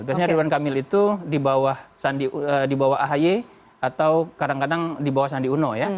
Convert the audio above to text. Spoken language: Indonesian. biasanya ridwan kamil itu di bawah ahy atau kadang kadang di bawah sandi uno ya